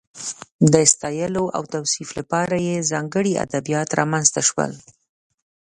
د ستایلو او توصیف لپاره یې ځانګړي ادبیات رامنځته شول.